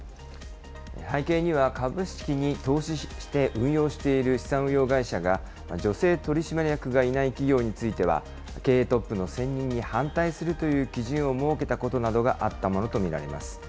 背景には株式に投資して運用している資産運用会社が、女性取締役がいない企業については、経営トップの選任に反対するという基準を設けたことなどがあったものと見られます。